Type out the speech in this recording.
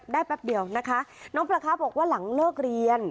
แป๊บเดียวนะคะน้องปลาค้าบอกว่าหลังเลิกเรียน